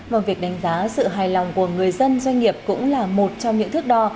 vâng việc đánh giá sự hài lòng của người dân doanh nghiệp cũng là một trong những thước đo